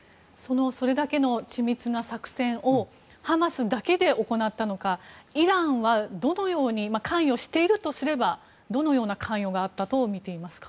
それだけの緻密な作戦をハマスだけで行ったのかイランは関与しているとすればどのような関与があったと見ていますか？